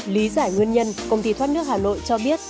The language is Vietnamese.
lý giải nguyên nhân công ty thoát nước hà nội cho biết